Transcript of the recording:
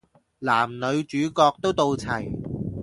男女主角都到齊